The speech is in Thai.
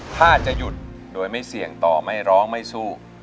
ถ้าจะหยุดโดยไม่เสี่ยงต่อไม่ร้องไม่สู้